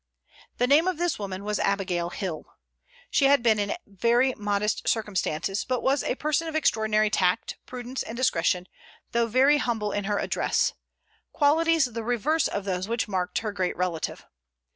The name of this woman was Abigail Hill. She had been in very modest circumstances, but was a person of extraordinary tact, prudence, and discretion, though very humble in her address, qualities the reverse of those which marked her great relative.